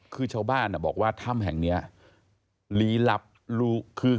คือชาวบ้านบอกว่าถ้ำแห่งนี้ลี้ลับรู้คือ